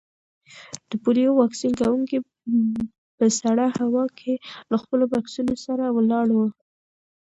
د پولیو واکسین کونکي په سړه هوا کې له خپلو بکسونو سره ولاړ وو.